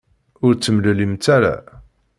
Ur temlellimt ara.